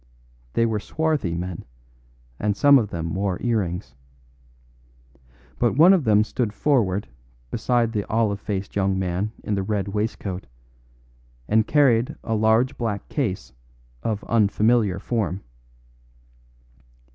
They were swarthy men, and some of them wore earrings. But one of them stood forward beside the olive faced young man in the red waistcoat, and carried a large black case of unfamiliar form.